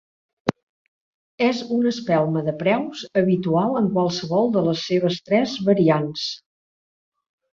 És una espelma de preus habitual en qualsevol de les seves tres variants.